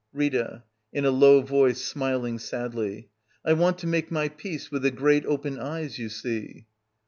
Rita. [In a low voice, smiling sadly.] I want to make my peace with the great, open eyes, you see.